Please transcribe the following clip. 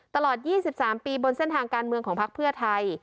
ตลอด๒๓ปีบนเส้นทางการเมืองของพักเพื่อไทย